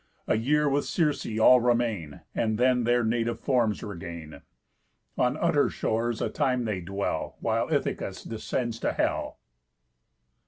A year with Circe all remain, And then their native forms regain. On utter shores a time they dwell, While Ithacus descends to hell.